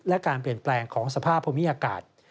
และการเปลี่ยนแปลงของสภาพภูมิอากาศ